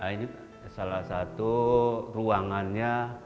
ini salah satu ruangannya